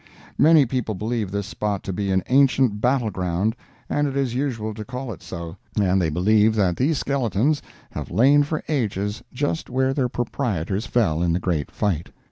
Many people believe this spot to be an ancient battle ground, and it is usual to call it so, and they believe that these skeletons have lain for ages just where their proprietors fell in the great fight.